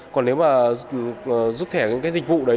còn nếu mà rút thẻ cái dịch vụ đấy